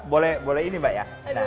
boleh boleh ini mbak ya